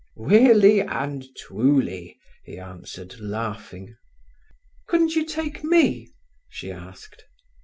"Weally and twuly," he answered, laughing. "Couldn't you take me?" she asked.